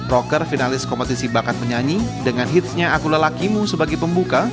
rocker finalis kompetisi bakat penyanyi dengan hitsnya akula lakimu sebagai pembuka